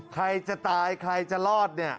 ใครจะตายใครจะรอดเนี่ย